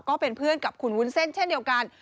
ก็เป็นเพื่อนกับคุณวุ้นเส้นเช่นเดียวกัน